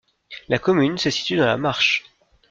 La commune se situe dans la Marsch.